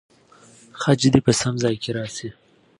خج دې په سم ځای کې راسي.